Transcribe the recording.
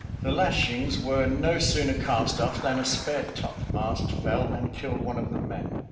The lashings were no sooner cast off, than a spare top mast fell and killed one of the men.